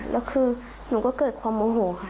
แล้วคือหนูก็เกิดความโมโหค่ะ